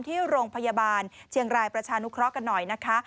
ที่โรงพยาบาลเชียงรายประชานุเคราะห์กันหน่อยนะคะ